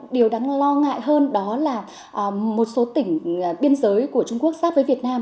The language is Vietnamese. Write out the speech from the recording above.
điều đáng lo ngại hơn đó là một số tỉnh biên giới của trung quốc giáp với việt nam